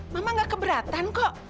mama gak keberatan kok